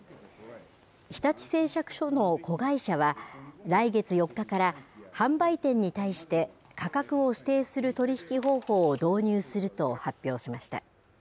日立製作所の子会社は、来月４日から販売店に対して価格を指定する取り引き方法を導入すると発表しました。